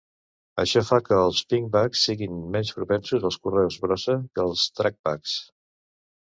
Això fa que els pingbacks siguin menys propensos al correu brossa que els trackbacks.